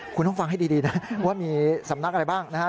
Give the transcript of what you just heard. คุณต้องฟังให้ดีนะว่ามีสำนักอะไรบ้างนะฮะ